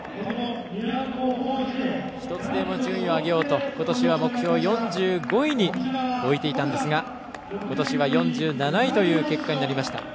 １つでも順位を上げようとことしは目標を４５位においていたんですが、ことしは４７位という結果になりました。